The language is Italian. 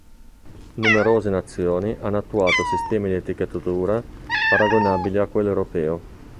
Numerose nazioni hanno attuato sistemi di etichettatura paragonabili a quello europeo.